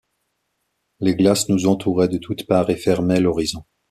Les glaces nous entouraient de toutes parts et fermaient l’horizon.